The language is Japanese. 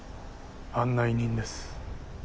案内人です。